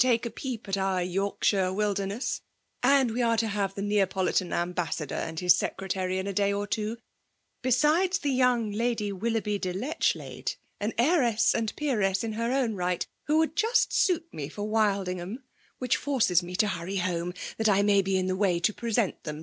take a peep at oar Yorkahiie wildec oaaa ; aad we are to have ihe Neapolitan Asat haasador and hia Secretary in a day or two» beaidea the young Lady Willou^by de Lechr lade ^«n heireBs and peeieaa in hex o«a light — dho. would juat auit me for Wildinp haniL; which farces me to hiicry lu>me» that I. saay be in tlw way to preaant them.